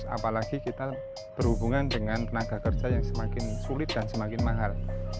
apalagi kita berhubungan dengan tenaga kerja yang semakin sulit dan semakin mahal